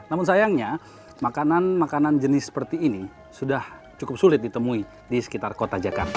namun sayangnya makanan makanan jenis seperti ini sudah cukup sulit ditemui di sekitar kota jakarta